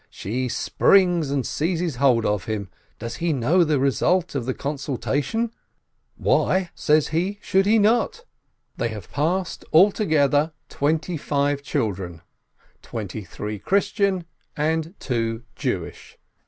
She springs and seizes hold on him. Does he know the result of the consultation? Why, says he, should he not? They 172 SHOLOM ALECHEM have passed altogether twenty five children, twenty three Christian and two Jewish.